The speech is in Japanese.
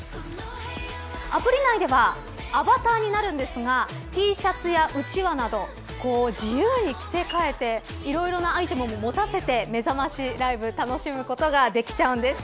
アプリ内ではアバターになるんですがＴシャツやうちわなど自由に着せ替えていろいろなアイテムも持たせてめざましライブ楽しむことができちゃうんです。